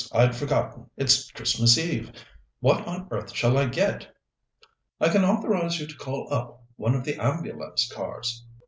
I'd forgotten it's Christmas Eve. What on earth shall I get?" "I can authorize you to call up one of the ambulance cars."